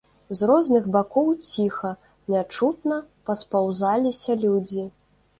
З розных бакоў ціха, нячутна паспаўзаліся людзі.